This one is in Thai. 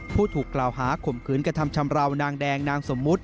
ผู้ถูกกล่าวหาข่มขืนกระทำชำราวนางแดงนางสมมุติ